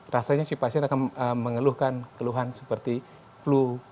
rasanya si pasien akan mengeluhkan keluhan seperti flu